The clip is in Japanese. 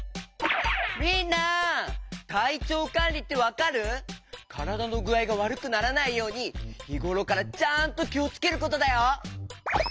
みんなたいちょうかんりってわかる？からだのぐあいがわるくならないようにひごろからちゃんときをつけることだよ。